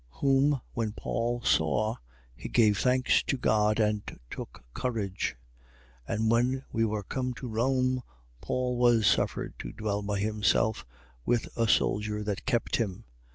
Whom when Paul saw, he gave thanks to God and took courage. 28:16. And when we were come to Rome, Paul was suffered to dwell by himself, with a soldier that kept him.